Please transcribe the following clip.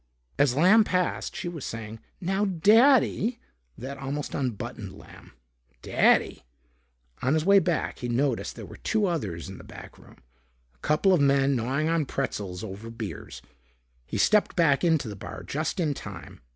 As Lamb passed, she was saying, "Now, Daddy " That almost unbuttoned Lamb. Daddy! On his way back, he noticed there were two others in the backroom, a couple of men gnawing on pretzels over beers. He stepped back into the bar just in time.